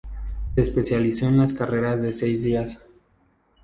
Se especializó en las carreras de seis días.